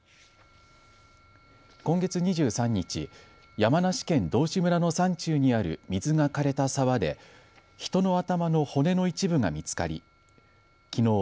今月２３日、山梨県道志村の山中にある水がかれた沢で人の頭の骨の一部が見つかりきのう